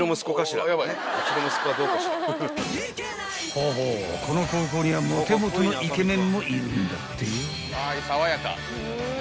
［ほほうこの高校にはモテモテのイケメンもいるんだってよ］